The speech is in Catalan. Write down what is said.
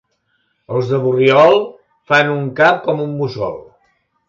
Els de Borriol fan un cap com un mussol.